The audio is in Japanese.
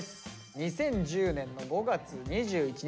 ２０１０年の５月２１日。